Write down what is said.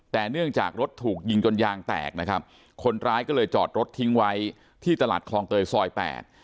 แต่เนื่องจากรถถูกยิงจนยางแตกนะครับคนร้ายก็เลยจอดรถทิ้งไว้ที่ตลาดคลองเตยซอยแปด